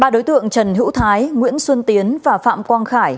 ba đối tượng trần hữu thái nguyễn xuân tiến và phạm quang khải